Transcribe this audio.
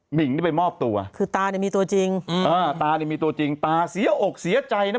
นิ่งนี่ไปมอบตัวคือตาเนี่ยมีตัวจริงอืมอ่าตานี่มีตัวจริงตาเสียอกเสียใจนะ